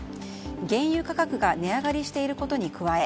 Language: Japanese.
原油価格が値上がりしていることに加え